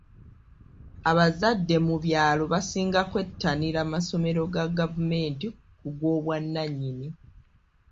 Abazadde mu byalo basinga kwettanira masomero ga gavumenti ku g'obwannanyini.